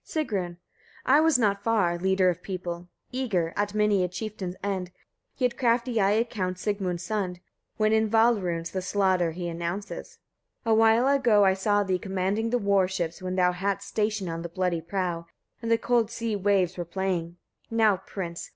Sigrun. 10. I was not far, leader of people! eager, at many a chieftain's end: yet crafty I account Sigmund's son, when in val runes the slaughter he announces. 11. A while ago I saw thee commanding the warships, when thou hadst station on the bloody prow, and the cold sea waves were playing. Now, prince!